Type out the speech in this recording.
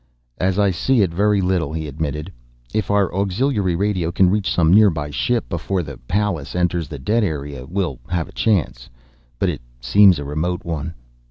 "As I see it, very little," he admitted. "If our auxiliary radio can reach some nearby ship before the Pallas enters the dead area, we'll have a chance. But it seems a remote one."